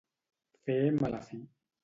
Fer mala fi.